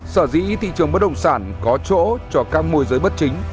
sở dĩ thị trường bất động sản có chỗ cho các môi giới bất chính